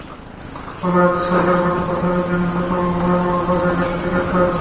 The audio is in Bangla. বলা হচ্ছে, সরকার মানব পাচার রোধে ন্যূনতম মানও বজায় রাখতে ব্যর্থ হচ্ছে।